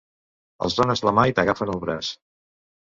Els dones la mà i t'agafen el braç.